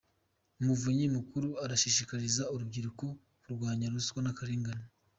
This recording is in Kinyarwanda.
Umuvunyi Mukuru arashishikariza urubyiruko kurwanya ruswa n’akarengane